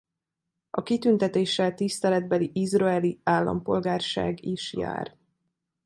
A kitüntetéssel tiszteletbeli izraeli állampolgárság is jár.